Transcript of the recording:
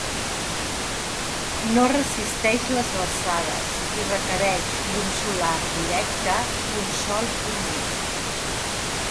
No resisteix les glaçades i requereix llum solar directa i un sòl humit.